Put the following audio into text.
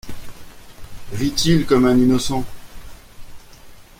Rit-il comme un innocent !…